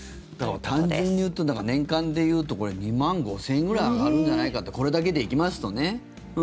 単純に言うと年間で言うと２万５０００円くらい上がるんじゃないかこれだけで行きますとね。